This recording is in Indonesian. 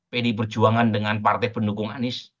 pd perjuangan dengan partai pendukung anis